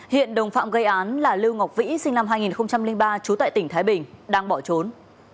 hiện đồng phạm gây án là lưu ngọc vĩ sinh năm hai nghìn ba trú tại tỉnh thái bình đang bỏ trốn